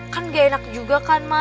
kan gak enak juga kan mah